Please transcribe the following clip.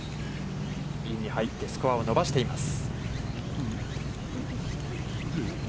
インに入って、スコアを伸ばしています。